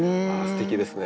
すてきですね。